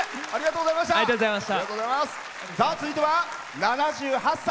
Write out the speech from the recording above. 続いては７８歳。